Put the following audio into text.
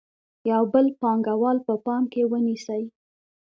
یو بل پانګوال په پام کې ونیسئ